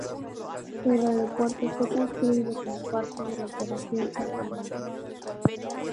El aeropuerto fue construido como parte de la Operación Saltamontes.